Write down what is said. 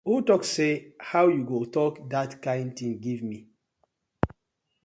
Who tok so, how yu go tok dat kind tin giv mi.